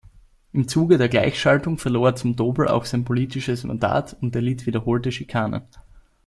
Im Zuge der „Gleichschaltung“ verlor Zumtobel auch sein politisches Mandat und erlitt wiederholte Schikanen.